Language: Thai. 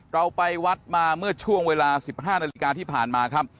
เราไปวัดมาเมื่อช่วงเวลา๑๕นาฬิกาที่ผ่านมาครับ